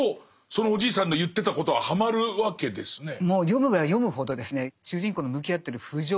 そのおじいさんの言ってたことははまるわけですね。